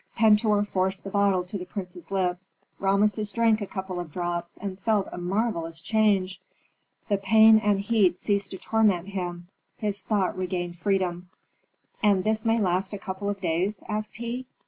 Pentuer forced the bottle to the prince's lips. Rameses drank a couple of drops and felt a marvellous change: the pain and heat ceased to torment him; his thought regained freedom. "And this may last a couple of days?" asked he.